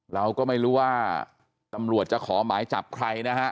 เราก็ไม่รู้ว่าตำรวจจะขอหมายจับใครนะฮะ